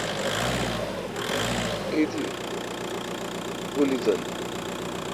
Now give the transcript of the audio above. ایتی گولی تل۔